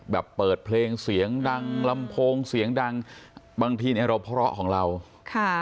แบบเปิดเพลงเสียงดังลำโพงเสียงดังบางทีเนี่ยเราเพราะของเราค่ะ